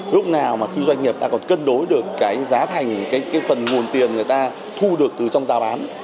lúc nào mà khi doanh nghiệp ta còn cân đối được cái giá thành cái phần nguồn tiền người ta thu được từ trong giá bán